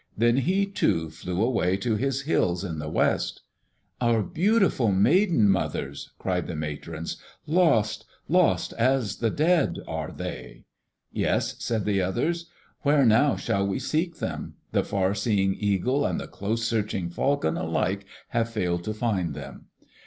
Then he, too, flew away to his hills in the west. "Our beautiful Maiden Mothers," cried the matrons. "Lost, lost as the dead are they!" "Yes," said the others. "Where now shall we seek them? The far seeing Eagle and the close searching Falcon alike have failed to find them."